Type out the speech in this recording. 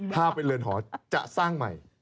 เขามีบ้านขึ้นใหม่